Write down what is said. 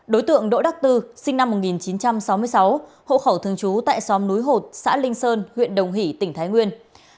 đối tượng đỗ đắc tư sinh năm một nghìn chín trăm sáu mươi sáu hộ khẩu thường trú tại xóm núi hột xã linh sơn huyện đồng hỷ tỉnh thái nguyên